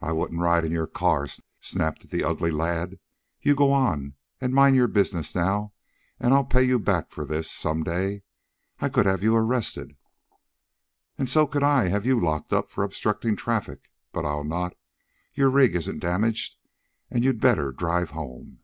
"I wouldn't ride in your car!" snapped the ugly lad. "You go on, and mind your business now, and I'll pay you back for this, some day. I could have you arrested!" "And so could I have you locked up for obstructing traffic. But I'll not. Your rig isn't damaged, and you'd better drive home."